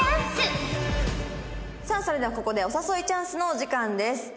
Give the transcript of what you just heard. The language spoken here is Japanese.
さあそれではここでお誘いチャンスのお時間です。